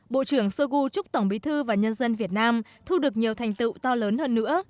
bộ trưởng shoigu chúc tổng bí thư và nhân dân việt nam thu được nhiều thành tựu to lớn hơn nữa